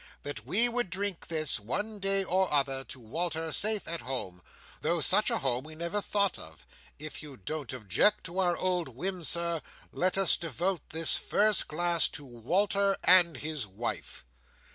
"—that we would drink this, one day or other, to Walter safe at home: though such a home we never thought of. If you don't object to our old whim, Sir, let us devote this first glass to Walter and his wife."